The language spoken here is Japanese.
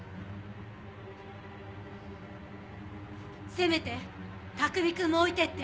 せめて卓海くんも置いてって。